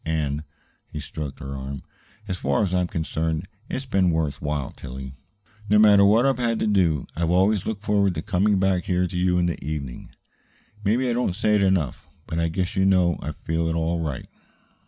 And," he stroked her arm, "as far as I am concerned, it's been worth while, Tillie. No matter what I've had to do, I've always looked forward to coming back here to you in the evening. Maybe I don't say it enough, but I guess you know I feel it all right."